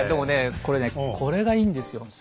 これねこれがいいんですよ。